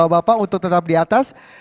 bapak untuk tetap di atas